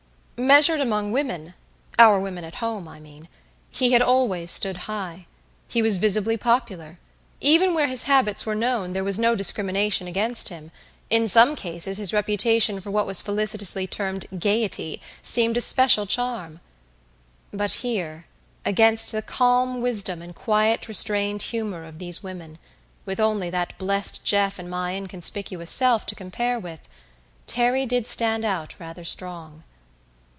Measured among women our women at home, I mean he had always stood high. He was visibly popular. Even where his habits were known, there was no discrimination against him; in some cases his reputation for what was felicitously termed "gaiety" seemed a special charm. But here, against the calm wisdom and quiet restrained humor of these women, with only that blessed Jeff and my inconspicuous self to compare with, Terry did stand out rather strong.